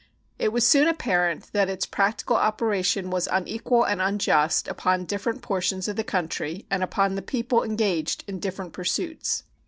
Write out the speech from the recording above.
It was soon apparent that its practical operation was unequal and unjust upon different portions of the country and upon the people engaged in different pursuits.